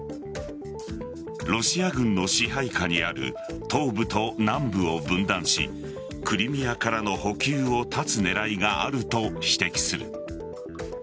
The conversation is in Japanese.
ロシア軍の支配下にある東部と南部を分断しクリミアからの補給を断つ狙いがあると指摘する。